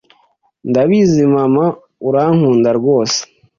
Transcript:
Ndabizi Mama urankunda rwose